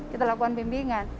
kita lakukan bimbingan